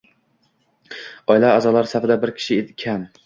Oila aʼzolari safida bir kishi kam.